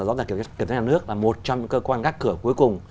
rõ ràng kiểu kiểm tra nhà nước là một trong cơ quan gác cửa cuối cùng